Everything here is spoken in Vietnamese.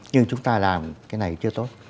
nhưng chúng ta làm cái này chưa tốt